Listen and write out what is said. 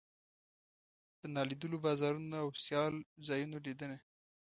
د نالیدلو بازارونو او سیال ځایونو لیدنه.